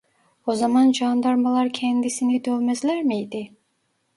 O zaman candarmalar kendisini dövmezler miydi?